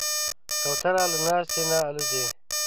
کوتره له ناستې نه الوزي.